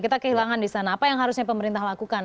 kita kehilangan di sana apa yang harusnya pemerintah lakukan